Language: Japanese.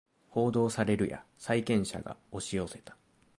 報道されるや債権者が押し寄せた